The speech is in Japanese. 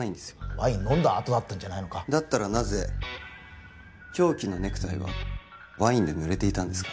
ワイン飲んだあとだったとかだったらなぜ凶器のネクタイはワインでぬれていたんですか？